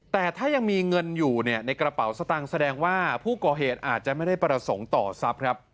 แต่ถ้ายังมีเงินอยู่ในกระเป๋าสตางค์แสดงว่าผู้ก่อเหตุอาจจะไม่ได้ประสงค์ต่อทรัพย์ครับ